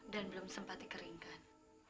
dan belum sempat dikeringkan